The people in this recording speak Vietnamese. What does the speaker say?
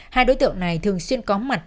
hai đối tượng này thường xuyên có mặt